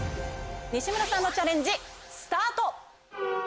西村さんのチャレンジスタート！